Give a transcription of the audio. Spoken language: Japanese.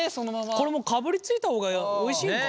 これかぶりついた方がおいしいのかな。